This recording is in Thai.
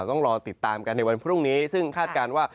ต้องรอติดตามกันในวันพรุ่งนี้ซึ่งคาดการณ์ว่า